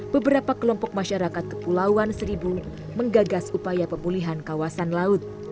beberapa kelompok masyarakat kepulauan seribu menggagas upaya pemulihan kawasan laut